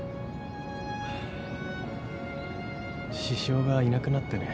獅子雄がいなくなってね。